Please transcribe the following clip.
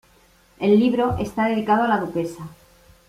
El libro está dedicado a la duquesa.